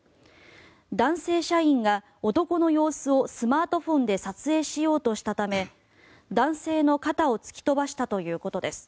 男性社員が男の様子をスマートフォンで撮影しようとしたため男性の肩を突き飛ばしたということです。